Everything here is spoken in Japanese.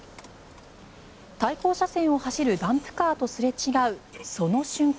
対向車線を走るダンプカーとすれ違うその瞬間。